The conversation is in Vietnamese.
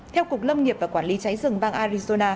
theo cục lâm nghiệp và quản lý cháy rừng bang arizona